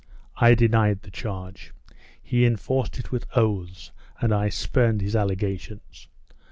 I denied the charge. He enforced it with oaths, and I spurned his allegations.